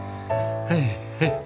はいはい。